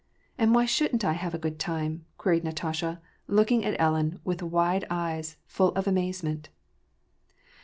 " And why shouldn't I have a good time ?" queried Natasha, looking at Ellen with wide eyes full of amazement.